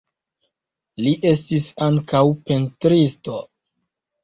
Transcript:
Li estis ankaŭ pentristo.